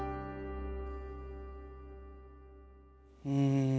うん。